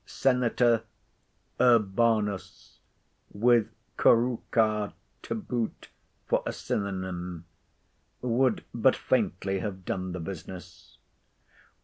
Senator urbanus, with Curruca to boot for a synonime, would but faintly have done the business.